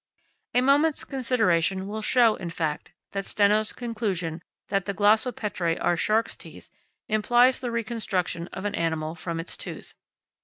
A moment's consideration will show, in fact, that Steno's conclusion that the glossopetrae are sharks' teeth implies the reconstruction of an animal from its tooth.